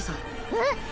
えっ？